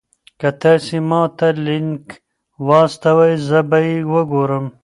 که تاسي ما ته لینک واستوئ زه به یې وګورم.